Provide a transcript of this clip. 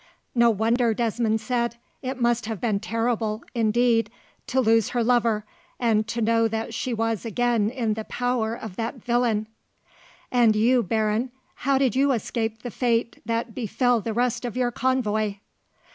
"No wonder," Desmond said. "It must have been terrible, indeed, to lose her lover, and to know that she was again in the power of that villain. "And you, Baron; how did you escape the fate that befell the rest of your convoy?"